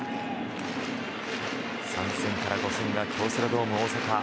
３戦から５戦は京セラドーム大阪。